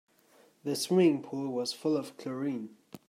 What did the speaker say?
The swimming pool was full of chlorine.